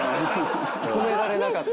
止められなかった？